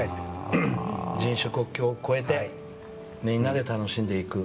人種、国境を越えてみんなで楽しんでいく。